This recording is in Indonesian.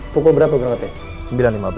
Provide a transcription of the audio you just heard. pukul berapa berangkatnya